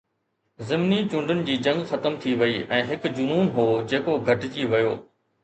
ضمني چونڊن جي جنگ ختم ٿي وئي ۽ هڪ جنون هو جيڪو گهٽجي ويو